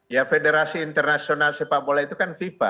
ya federasi internasional sepak bola itu kan fifa